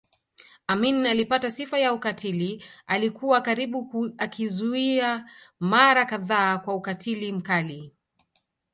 Amin alipata sifa ya ukatili alikuwa karibu akizuia mara kadhaa kwa ukatili mkali